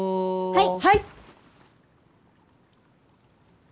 はい！